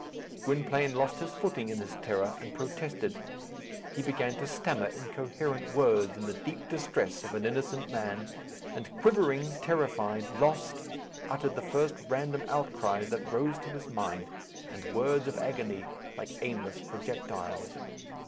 Gwynplaine lost his footing in his terror, and protested. He began to stammer incoherent words in the deep distress of an innocent man, and quivering, terrified, lost, uttered the first random outcries that rose to his mind, and words of agony like aimless projectiles.